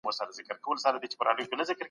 کله به نړیواله ټولنه امنیت تایید کړي؟